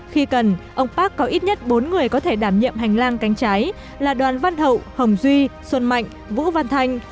khi cần ông park có ít nhất bốn người có thể đảm nhiệm hành lang cánh trái là đoàn văn hậu hồng duy xuân mạnh vũ văn thanh